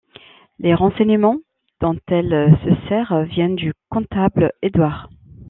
Les renseignements dont elle se sert viennent du comptable Edward.